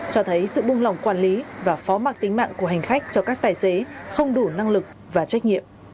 cho thấy sự buông lỏng quản lý và phó mạc tính mạng của hành khách cho các tài xế không đủ năng lực và trách nhiệm